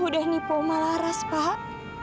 udah nipo malah ras pak